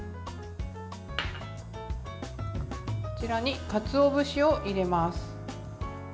こちらに、かつお節を入れます。